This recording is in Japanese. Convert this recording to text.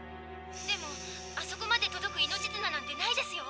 「でもあそこまで届く命づななんてないですよ」。